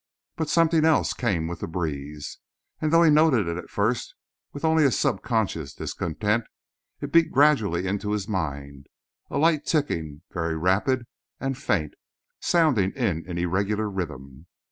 But something else came with the breeze, and though he noted it at first with only a subconscious discontent, it beat gradually into his mind, a light ticking, very rapid, and faint, and sounding in an irregular rhythm.